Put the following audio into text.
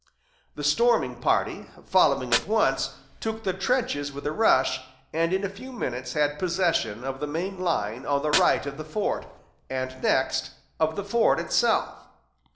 The storming party, following at once, took the trenches with a rush, and in a few minutes had possession of the main line on the right of the fort, and, next, of the fort itself.